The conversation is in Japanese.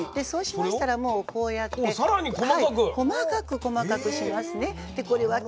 そうしましたらもうこうやって細かく細かくしますね。